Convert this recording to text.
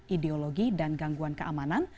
ideologi dan gangguan keamanan